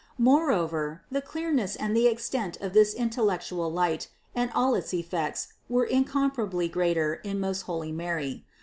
Moreover the clearness and the extent of this intel lectual light and all its effects were incomparably greater in most holy Mary.